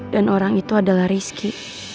dan orang itu adalah riski